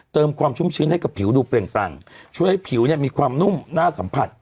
เติมความชุ่มชื้นให้กับผิวดูเปล่งปลั่งช่วยให้ผิวเนี่ยมีความนุ่มน่าสัมผัส